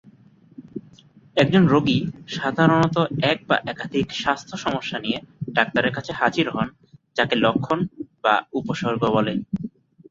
একজন রোগী সাধারণত এক বা একাধিক স্বাস্থ্য সমস্যা নিয়ে ডাক্তারের কাছে হাজির হন, যাকে লক্ষণ বা উপসর্গ বলে।